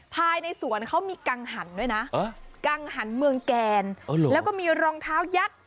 ภายในสวนเขามีกังหันด้วยนะกังหันเมืองแกนแล้วก็มีรองเท้ายักษ์